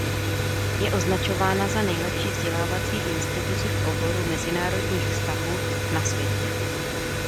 Je označována za nejlepší vzdělávací instituci v oboru mezinárodních vztahů na světě.